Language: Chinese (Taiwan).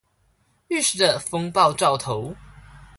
預示著風暴兆頭